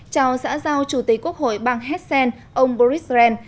chào xã giao chủ tịch quốc hội bang hessen ông boris ren